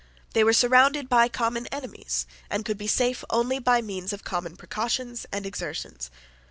They were surrounded by common enemies, and could be safe only by means of common precautions and exertions.